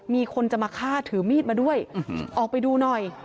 มีคนจะมาฆ่าถือมีดมาด้วยออกไปดูหน่อย